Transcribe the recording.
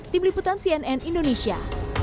tim liputan cnn indonesia